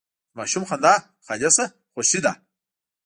د ماشوم خندا خالصه خوښي ده.